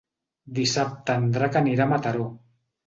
Dissabte en Drac anirà a Mataró.